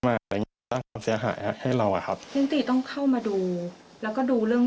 มาสร้างความเสียหายให้เราครับต้องเข้ามาดูแล้วก็ดูเรื่อง